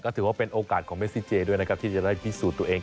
ถือว่าเป็นโอกาสของเมซิเจด้วยนะครับที่จะได้พิสูจน์ตัวเอง